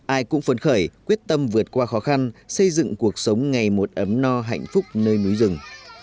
ai cũng phấn khởi quyết tâm vượt qua khó khăn xây dựng cuộc sống ngày một ấm no hạnh phúc nơi núi rừng